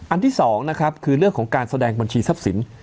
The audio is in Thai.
ที่๒นะครับคือเรื่องของการแสดงบัญชีทรัพย์สิน